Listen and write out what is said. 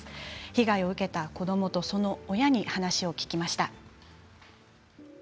被害を受けた子どもとその親に話を聞きました。